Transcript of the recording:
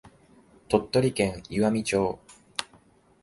鳥取県岩美町